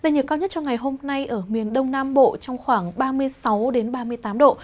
nhiệt cao nhất cho ngày hôm nay ở miền đông nam bộ trong khoảng ba mươi sáu ba mươi tám độ